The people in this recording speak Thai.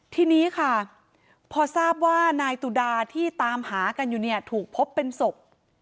ทีนี้ค่ะพอทราบว่านายตุดาที่ตามหากันอยู่เนี่ยถูกพบเป็นศพ